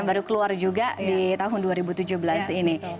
baru keluar juga di tahun dua ribu tujuh belas ini